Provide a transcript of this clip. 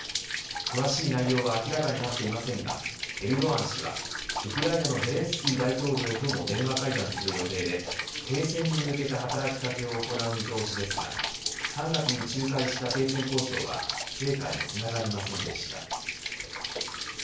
詳しい内容は明らかになっていませんがエルドアン氏はウクライナのゼレンスキー大統領とも電話会談する予定で停戦に向けた働き掛けを行う見通しですが３月に仲介した停戦交渉は成果につながりませんでした。